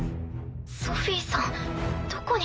ソフィさんどこに。